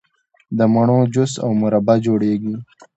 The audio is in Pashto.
د مڼو جوس او مربا جوړیږي.